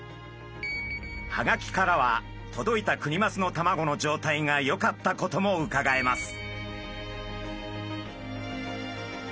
ハガキからは届いたクニマスの卵の状態がよかったこともうかがえます。